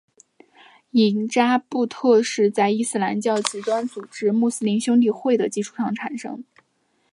伊扎布特是在伊斯兰教极端组织穆斯林兄弟会的基础上产生。